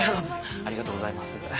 ありがとうございます。